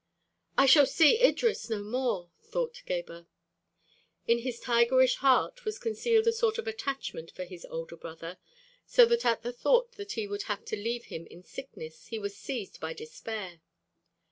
"I shall see Idris no more!" thought Gebhr. In his tigerish heart was concealed a sort of attachment for his older brother, so that at the thought that he would have to leave him in sickness he was seized by despair.